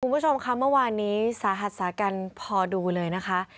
คุณผู้ชมค่ะเมื่อวานนี้สาหัสสากันพอดูเลยนะคะ